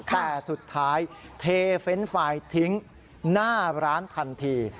แต่สุดท้ายเทรนด์ไฟล์ทิ้งหน้าร้านทันที